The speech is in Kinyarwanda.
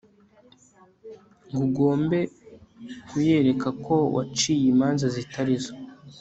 ngo ugombe kuyereka ko waciye imanza zitari zo